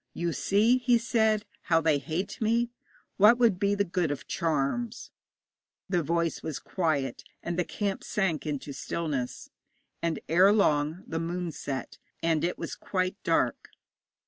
'You see,' he said, 'how they hate me. What would be the good of charms?' The voice was quiet, and the camp sank into stillness, and ere long the moon set, and it was quite dark.